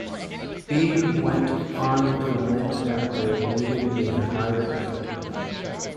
Speed went on to win after leading the entire heat.